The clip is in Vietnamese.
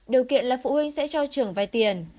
điều kiện là phụ huynh sẽ cho trường vay tiền